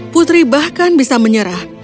putri bahkan bisa menyerah